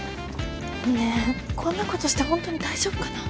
ねえこんなことしてホントに大丈夫かな。